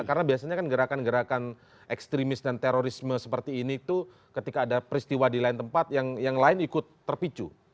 karena biasanya kan gerakan gerakan ekstremis dan terorisme seperti ini itu ketika ada peristiwa di lain tempat yang lain ikut terpicu